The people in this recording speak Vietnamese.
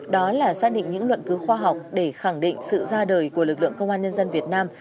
đó là xác định những luận cứu khoa học để khẳng định sự ra đời của lực lượng công an nhân dân việt nam